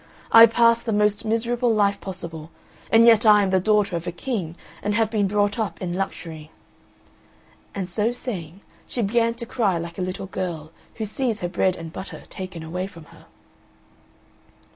I pass the most miserable life possible, and yet I am the daughter of a king and have been brought up in luxury." And so saying she began to cry like a little girl who sees her bread and butter taken away from her.